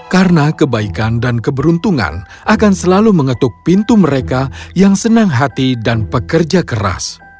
karena kebaikan dan keberuntungan akan selalu mengetuk pintu mereka yang senang hati dan pekerja keras